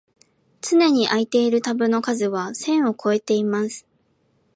つねに開いているタブの数は千をこえてます